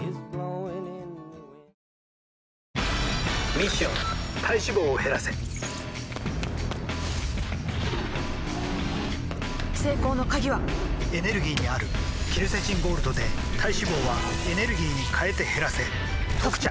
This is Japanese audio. ミッション体脂肪を減らせ成功の鍵はエネルギーにあるケルセチンゴールドで体脂肪はエネルギーに変えて減らせ「特茶」